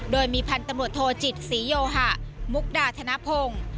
โดยมีพันธุ์ตำรวจโทจิตศรีโยหะมุกดาธนพงศ์